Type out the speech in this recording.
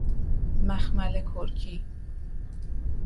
مخمل کرکی